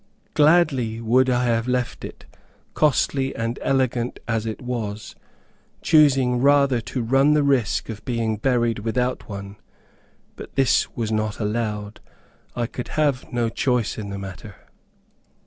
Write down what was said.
Gladly would I have left it, costly and elegant as it was, choosing rather to run the risk of being buried without one, but this was not allowed. I could have no choice in the matter.